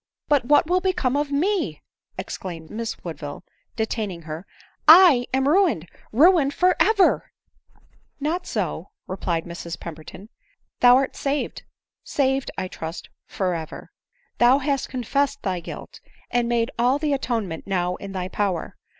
" But what will become of me ?" exclaimed Miss Woodville, detaining her —" J am ruined — ruined for ever !"" Not so," replied Mrs Pemberton, " thou art saved — saved, I trust, for ever. Thou hast confessed thy guilt, and made all the atonement now in thy power.